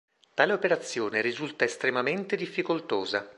Tale operazione risulta estremamente difficoltosa.